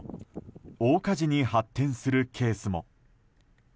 大火事に発展するケースも。